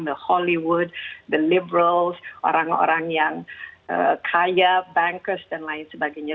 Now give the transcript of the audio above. the hollywood the liberals orang orang yang kaya bankers dan lain sebagainya